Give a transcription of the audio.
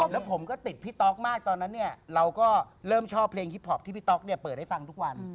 แล้วผมก็ติดพี่ต๊อกมากตอนนั้นเนี่ยเราก็เริ่มชอบเพลงฮิปพอปที่พี่ต๊อกเนี่ยเปิดให้ฟังทุกวัน